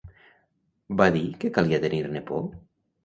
Va dir que calia tenir-ne por?